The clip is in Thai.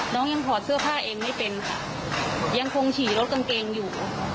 น้องยังถอดเสื้อผ้าเองไม่เป็นค่ะยังคงฉี่รถกางเกงอยู่